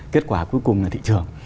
kết quả cuối cùng là thị trường